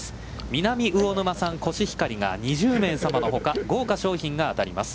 南魚沼産コシヒカリが２０名様のほか、豪華商品が当たります。